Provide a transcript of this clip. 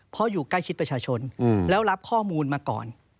เพราะอยู่ใกล้ชิดประชาชนแล้วรับข้อมูลมาก่อน